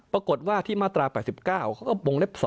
ปรากฏว่าที่มาตรา๘๙เขาก็วงเล็บ๒